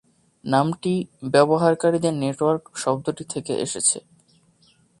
নামটি "ব্যবহারকারীদের নেটওয়ার্ক" শব্দটি থেকে এসেছে।